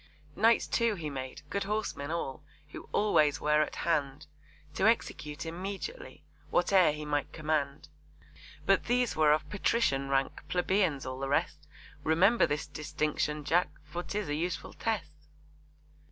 Knights, too, he made, good horsemen all, Who always were at hand To execute immediately Whate'er he might command. But these were of Patrician rank, Plebeians all the rest; Remember this distinction, Jack! For 'tis a useful test.